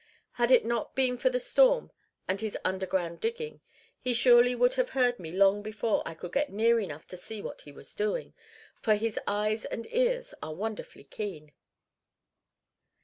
Had it not been for the storm and his underground digging, he surely would have heard me long before I could get near enough to see what he was doing; for his eyes and ears are wonderfully keen.